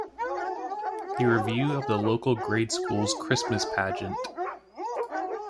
A review of the local grade school's Christmas pageant.